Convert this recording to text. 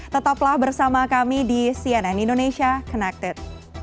tetaplah bersama kami di cnn indonesia connected